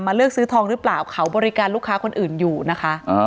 เลือกซื้อทองหรือเปล่าเขาบริการลูกค้าคนอื่นอยู่นะคะ